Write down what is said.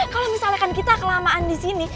kalo misalkan kita kelamaan disini